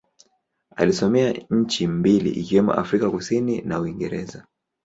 Alisomea nchi mbili ikiwemo Afrika Kusini na Uingereza.